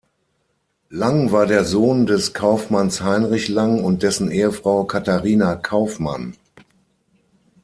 Lang war der Sohn des Kaufmanns Heinrich Lang und dessen Ehefrau Katharina Kaufmann.